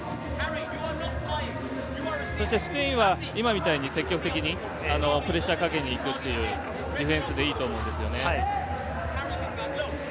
スペインは今みたいに積極的にプレッシャーをかけに行くというディフェンスでいいと思うんですよね。